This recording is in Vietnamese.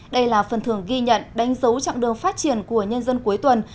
đây là phần thưởng ghi nhận đánh dấu chặng đường phát triển của nhân dân cuối tuần